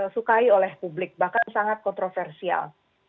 sukai oleh publik bahkan sangat kontroversial